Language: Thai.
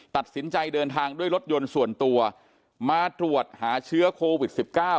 ตัดสินใจเดินทางด้วยรถยนต์ส่วนตัวมาตรวจหาเชื้อโควิด๑๙